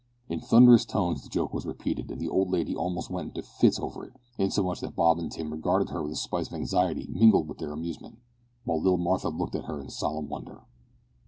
In thunderous tones the joke was repeated, and the old lady almost went into fits over it, insomuch that Bob and Tim regarded her with a spice of anxiety mingled with their amusement, while little Martha looked at her in solemn wonder.